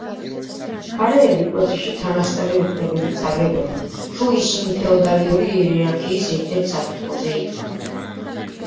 მხარეები პროცესში თანასწორი უფლებებით სარგებლობდნენ, თუ ისინი ფეოდალური იერარქიის ერთ საფეხურზე იდგნენ.